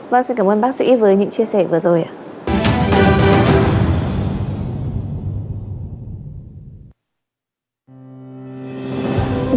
vâng xin cảm ơn bác sĩ với những chia sẻ vừa rồi ạ